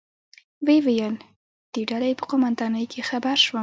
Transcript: ویې ویل: د ډلې په قومندانۍ کې خبر شوم.